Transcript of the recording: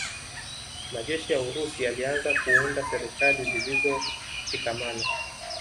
Majeshi ya Urusi yalianza kuunda serikali zilizoshikamana